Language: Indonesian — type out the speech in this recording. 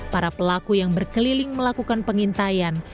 para pelaku yang berkeliling melakukan pengintaian